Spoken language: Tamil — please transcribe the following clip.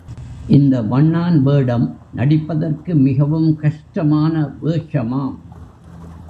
இந்த வண்ணான் வேடம் நடிப்பதற்கு மிகவும் கஷ்டமான வேஷமாம்.